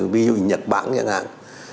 ví dụ như nhật bản chẳng hạn